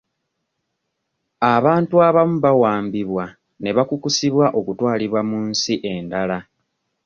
Abantu abamu bawambibwa ne bakukusibwa okutwalibwa mu nsi endala.